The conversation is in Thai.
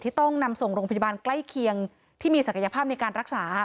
ต้องนำส่งโรงพยาบาลใกล้เคียงที่มีศักยภาพในการรักษา